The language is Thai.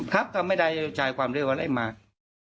ครับก็ไม่ได้จะจ่ายความเร็วอะไรมาก